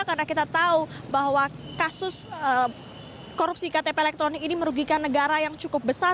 karena kita tahu bahwa kasus korupsi ktp elektronik ini merugikan negara yang cukup besar